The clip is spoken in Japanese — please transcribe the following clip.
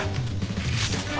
ああ！